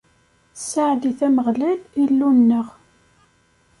Ssaɛlit Ameɣlal, Illu-nneɣ!